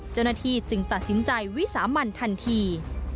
เจ้าหน้าที่จึงตัดสินใจวิสามันทันที